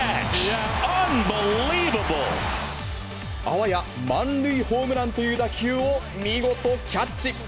あわや満塁ホームランという打球を見事キャッチ。